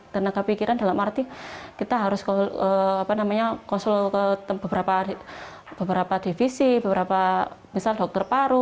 tenaga pikiran dalam arti kita harus konsul ke beberapa divisi beberapa misal dokter paru